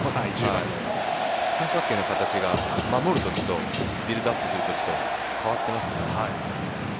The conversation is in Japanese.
三角形の形が、守るときとビルドアップするときと変わっていますね。